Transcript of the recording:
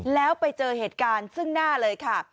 แล้วไปเจอเหตุการณ์ซึ่งหน้าเลยค่ะ